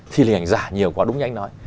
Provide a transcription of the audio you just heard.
thì là hình ảnh giả nhiều quá đúng như anh nói